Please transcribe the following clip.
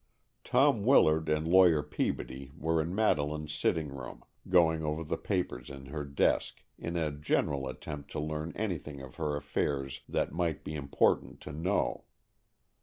Tom Willard and Lawyer Peabody were in Madeleine's sitting room, going over the papers in her desk, in a general attempt to learn anything of her affairs that might be important to know.